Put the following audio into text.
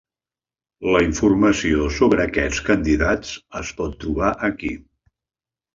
La informació sobre aquests candidats es pot trobar aquí.